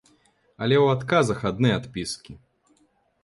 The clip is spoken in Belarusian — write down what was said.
Але ў адказах адны адпіскі.